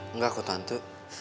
enggak kok tante